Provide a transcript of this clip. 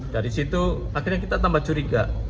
dari situ akhirnya kita tambah curiga